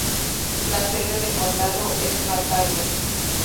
La sede del condado es Batavia.